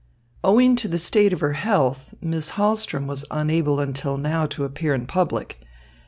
"Owing to the state of her health, Miss Hahlström was unable until now to appear in public.